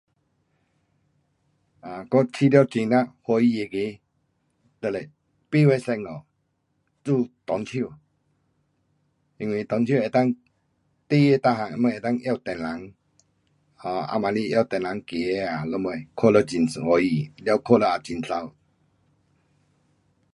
啊，我觉得很有欢喜那个就是八月十五，做中秋，因为中秋能够孩儿每样什么能够拿灯笼，啊晚里拿灯笼走啊什么，看了很欢喜，了看了也很美。